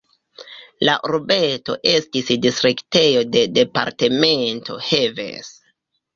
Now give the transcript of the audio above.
La urbeto estis distriktejo de departemento Heves.